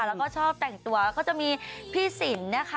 แล้วก็ชอบแต่งตัวก็จะมีพี่สินนะคะ